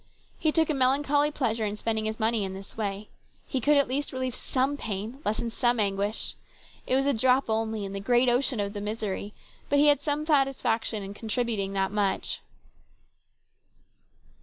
He took a melancholy pleasure in spending his money in this way. He could at least relieve some pain, lessen some anguish. It was a drop only in the great ocean of the misery, but he had some satisfaction in contributing that much.